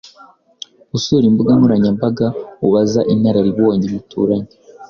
usura imbuga nkoranyambaga, ubaza inararibonye muturanye